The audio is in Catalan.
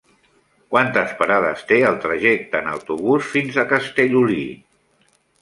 Quantes parades té el trajecte en autobús fins a Castellolí?